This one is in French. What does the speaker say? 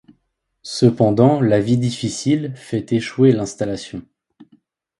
Cependant la vie difficile fait échouer l'installation.